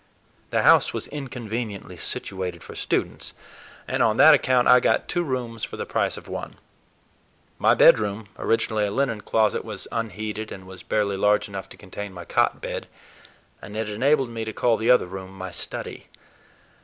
The house was inconveniently situated for students, and on that account I got two rooms for the price of one. My bedroom, originally a linen closet, was unheated and was barely large enough to contain my cot bed, but it enabled me to call the other room my study.